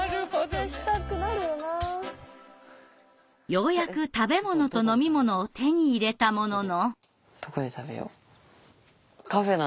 ようやく食べ物と飲み物を手に入れたものの。